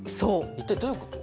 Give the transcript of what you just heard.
一体どういうこと！？